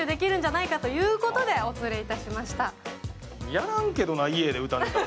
やらんけどな、家で歌とか。